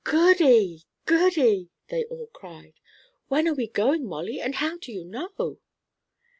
"Goody! goody!" they all cried, "when are we going, Molly, and how did you know?"